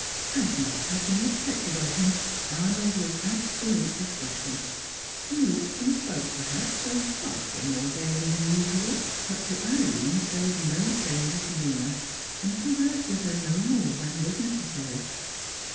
As might have been expected of him, Arnold was absolute discretion; he looked and spoke, perhaps, a trifle more gaily than usual, but to Irene showed no change of demeanour, and conversed with her no more than was necessary.